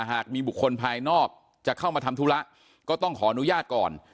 หากมีบุคคลภายนอกจะเข้ามาทำธุระก็ต้องขออนุญาตก่อน